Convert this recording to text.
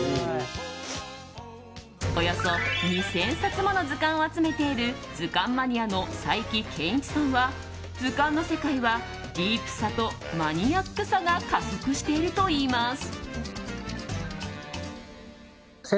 およそ２０００冊もの図鑑を集めている図鑑マニアの斎木健一さんは図鑑の世界はディープさとマニアックさが加速しているといいます。